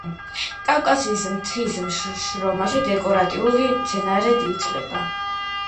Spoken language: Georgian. კავკასიის მთის შროშანი დეკორატიულ მცენარედ ითვლება.